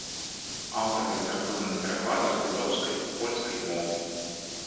Аўтар літаратурных перакладаў з літоўскай і польскай моў.